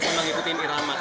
selalu mengikuti nama